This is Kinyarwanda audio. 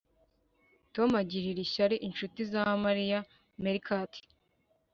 Tom agirira ishyari inshuti za Mariya meerkat